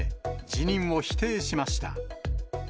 辞任を否定しました。